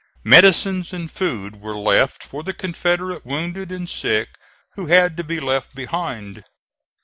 Medicines and food were left for the Confederate wounded and sick who had to be left behind.